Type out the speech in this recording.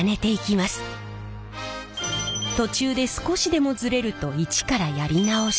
途中で少しでもズレると一からやり直し。